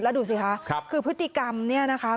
แล้วดูสิคะคือพฤติกรรมเนี่ยนะคะ